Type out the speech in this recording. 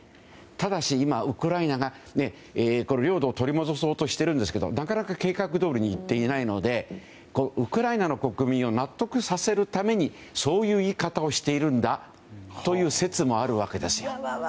ただし今、ウクライナが領土を取り戻そうとしていますがなかなか計画どおりにいっていないのでウクライナの国民を納得させるためにそういう言い方をしているんだという説もあるわけです。